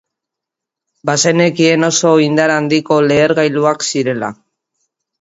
Bazekien oso indar handiko lehergailuak zirela.